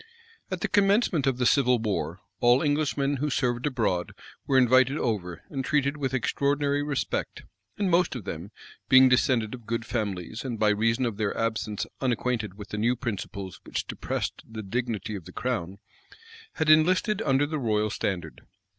At the commencement of the civil war, all Englishmen who served abroad were invited over, and treated with extraordinary respect; and most of them, being descended of good families, and by reason of their absence unacquainted with the new principles which depressed the dignity of the crown, had enlisted under the royal standard.